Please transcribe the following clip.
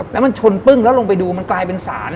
แล้วมันชนเปลื้องลงไปดูมันกลายเป็นสาร